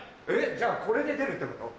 じゃあこれで出るってこと？